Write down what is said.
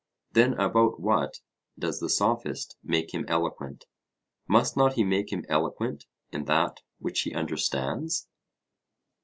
Then about what does the Sophist make him eloquent? Must not he make him eloquent in that which he understands?